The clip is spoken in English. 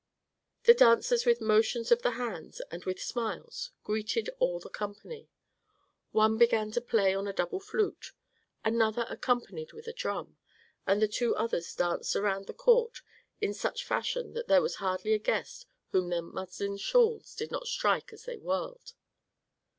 The dancers with motions of the hands and with smiles greeted all the company. One began to play on a double flute, another accompanied with a drum, and the two others danced around the court in such fashion that there was hardly a guest whom their muslin shawls did not strike as they whirled.